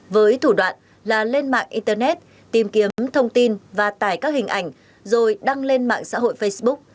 với thủ đoạn là lên mạng internet tìm kiếm thông tin và tải các hình ảnh rồi đăng lên mạng xã hội facebook